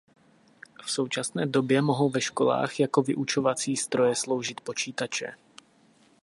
V současné době mohou ve školách jako vyučovací stroje sloužit počítače.